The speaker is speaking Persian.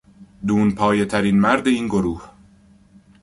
دونپایه ترین مرد این گروه